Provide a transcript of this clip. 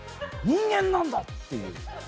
人間なんだ！っていう。